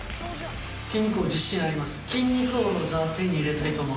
筋肉王自信あります。